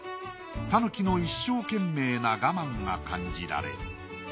狸の一生懸命な我慢が感じられる。